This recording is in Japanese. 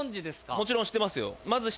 もちろん知ってますよ。